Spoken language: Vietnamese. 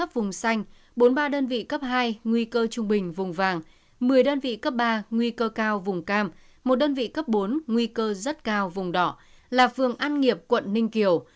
vùng xanh bốn mươi ba đơn vị cấp hai nguy cơ trung bình vùng vàng một mươi đơn vị cấp ba nguy cơ cao vùng cam một đơn vị cấp bốn nguy cơ rất cao vùng đỏ là phường an nghiệp quận ninh kiều